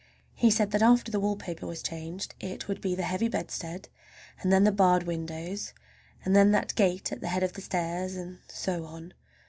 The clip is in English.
He said that after the wallpaper was changed it would be the heavy bedstead, and then the barred windows, and then that gate at the head of the stairs, and so on.